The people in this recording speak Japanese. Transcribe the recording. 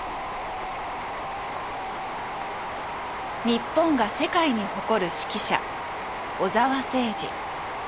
日本が世界に誇る指揮者小澤征爾。